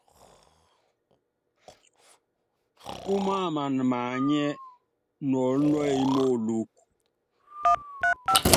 Úmáaman maanyɛ́, nuɔ́l núɛ́y móolúk.